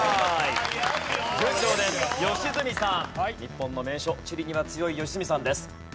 日本の名所地理には強い良純さんです。